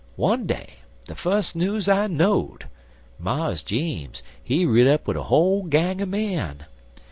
one day, de fus news I know'd, Mars Jeems he rid up wid a whole gang er men.